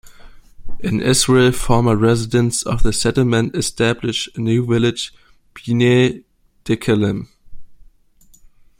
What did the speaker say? In Israel, former residents of the settlement established a new village, Bnei Dekalim.